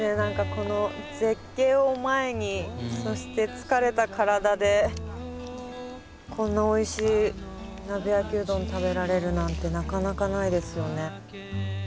この絶景を前にそして疲れた体でこんなおいしい鍋焼きうどん食べられるなんてなかなかないですよね。